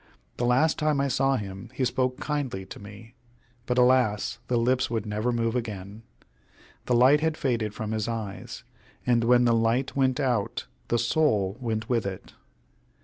The last time I saw him he spoke kindly to me, but alas! the lips would never move again. The light had faded from his eyes, and when the light went out the soul went with it.